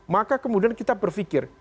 maka kemudian kita berfikir